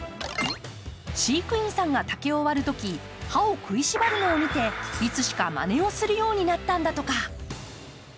飼育員さんが竹を割るとき歯を食いしばるのを見ていつしか、まねをするようになったんだとか。